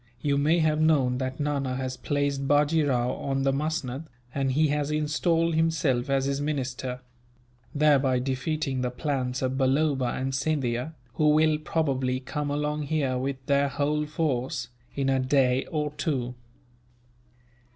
You may have known that Nana has placed Bajee Rao on the musnud, and he has installed himself as his minister; thereby defeating the plans of Balloba and Scindia, who will probably come along here with their whole force, in a day or two."